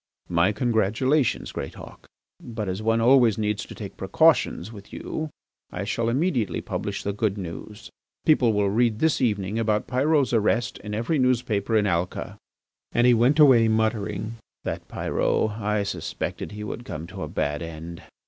"My congratulations, Greatauk. But as one always needs to take precautions with you I shall immediately publish the good news. People will read this evening about Pyrot's arrest in every newspaper in Alca ...." And he went away muttering: "That Pyrot! I suspected he would come to a bad end."